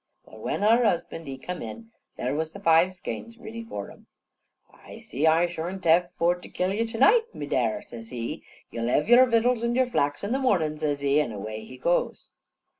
Well, when har husban' he come in, there was the five skeins riddy for him. "I see I shorn't hev for to kill you to night, me dare," says he. "You'll hev yar vittles and yar flax in the mornin'," says he, an' away he goes.